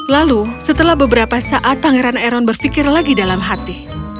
lalu setelah beberapa saat pangeran eron berpikir lagi dalam hati